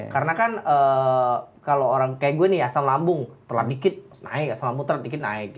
karena kan kalau orang kayak gue nih asam lambung telah dikit naik asam lambung telah dikit naik